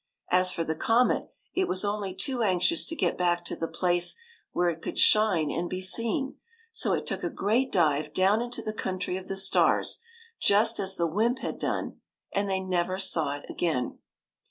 As for the comet, it was only too anxious to get back to the place where it could shine and be seen; so it took a great dive down into the country of the stars, just as the wymp had done, and they never saw it again.